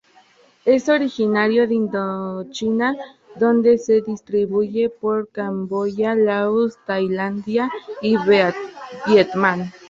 Es originario de Indochina donde se distribuye por Camboya, Laos; Tailandia y Vietnam.